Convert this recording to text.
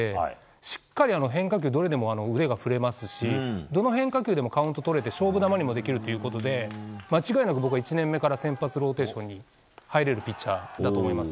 しっかり変化球をどれでも腕が振れますしどの変化球でもカウントがとれて勝負球にもできるということで間違いなく１年目から先発ローテーションに入れるピッチャーだと思います。